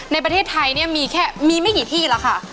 ในประเทศไทยมีไม่กี่ทีละค่ะ